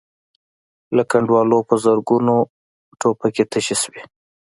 له کنډوالو په زرګونو ټوپکې تشې شوې.